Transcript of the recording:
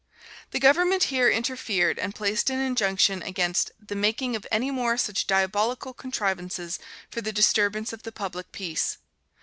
The government here interfered and placed an injunction against "the making of any more such diabolical contrivances for the disturbance of the public peace."